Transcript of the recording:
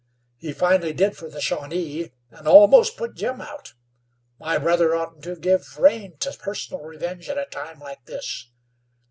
He finally did fer the Shawnee, an' almost put Jim out. My brother oughtn't to give rein to personal revenge at a time like this."